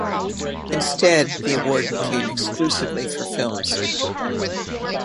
Instead the award became exclusively for films.